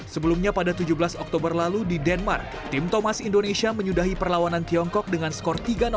sebelumnya pada tujuh belas oktober lalu di denmark tim thomas indonesia menyudahi perlawanan tiongkok dengan skor tiga